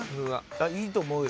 いいと思うよ。